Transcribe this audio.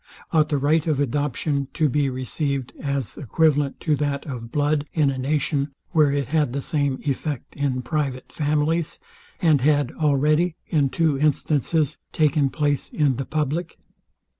Ought the right of adoption to be received as equivalent to that of blood in a nation, where it had the same effect in private families, and had already, in two instances, taken place in the public?